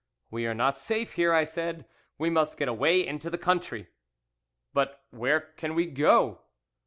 "'We are not safe here,' I said; 'we must get away into the country.' "'But where can we go?